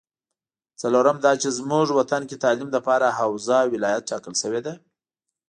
څلورم دا چې زمونږ وطن کې تعلیم لپاره حوزه ولایت ټاکل شوې ده